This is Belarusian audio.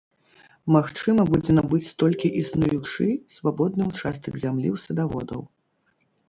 Магчыма будзе набыць толькі існуючы свабодны ўчастак зямлі ў садаводаў.